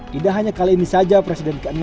tidak hanya kali ini saja presiden ke enam